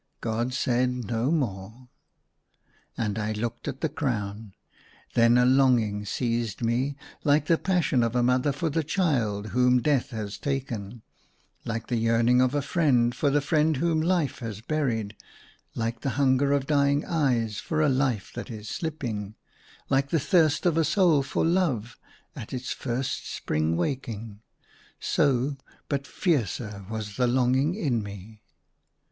God said no more. And I looked at the crown : then a longing seized me. Like the passion of a mother for the child whom death has taken ; like the yearning of a friend for the friend whom life has buried ; like the hunger of dying eyes for a life that is slipping ; like the thirst of a soul for ACROSS MY BED. 173 love at its first spring waking, so, but fiercer was the longing in me.